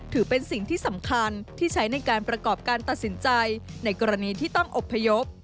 ถือเป็นสิ่งที่สำคัญที่ใช้ในการประกอบการตัดสินใจในกรณีที่ต้องอบพยพ